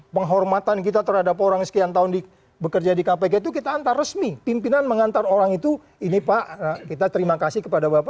penghormatan kita terhadap orang yang sekian tahun bekerja di kpk itu kita antar resmi pimpinan mengantar orang itu ini pak kita terima kasih kepada bapak